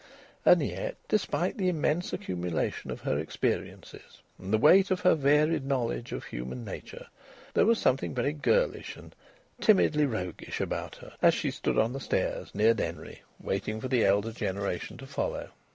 And yet, despite the immense accumulation of her experiences and the weight of her varied knowledge of human nature, there was something very girlish and timidly roguish about her as she stood on the stairs near Denry, waiting for the elder generation to follow.